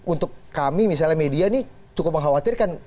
untuk kami misalnya media ini cukup mengkhawatirkan